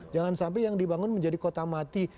jangan sampai yang dibangun menjadi kota mati